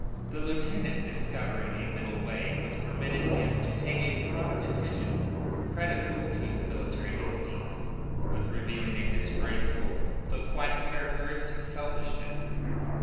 The lieutenant discovered a middle way which permitted him to take a prompt decision creditable to his military instincts, but revealing a disgraceful though quite characteristic selfishness.